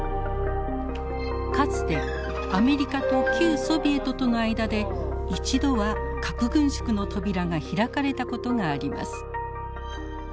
かつてアメリカと旧ソビエトとの間で一度は核軍縮の扉が開かれたことがあります。